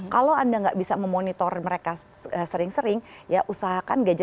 kalau anda nggak bisa memonitor mereka sering sering ya usahakan gadget itu hanya digunakan ketika